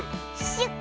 シュッ！